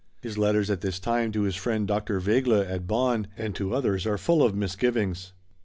His letters at this time to his friend Dr. Wegeler, at Bonn, and to others, are full of misgivings.